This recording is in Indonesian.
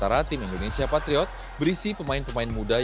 sementara tim indonesia patriot berisi pemain pemain muda yang memasak di game ini